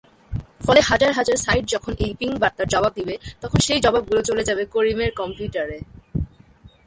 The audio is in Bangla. ফলে হাজার হাজার সাইট যখন এই পিং বার্তার জবাব দিবে, তখন সেই জবাব গুলো চলে যাবে করিমের কম্পিউটারে।